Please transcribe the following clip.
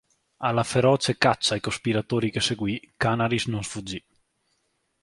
Alla feroce caccia ai cospiratori che seguì Canaris non sfuggì.